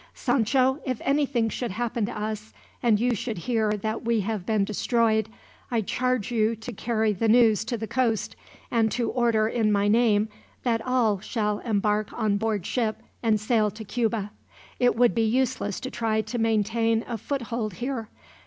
"Sancho, if anything should happen to us, and you should hear that we have been destroyed, I charge you to carry the news to the coast, and to order in my name that all shall embark on board ship and sail to Cuba. It would be useless to try to maintain a foothold here.